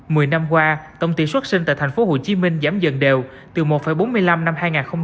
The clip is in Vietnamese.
mười năm qua tổng tỷ xuất sinh tại tp hcm giảm dần đều từ một bốn mươi năm năm hai nghìn một mươi